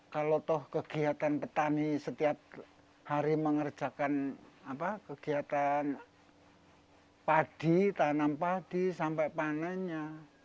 kalau toh kegiatan petani setiap hari mengerjakan kegiatan padi tanam padi sampai panennya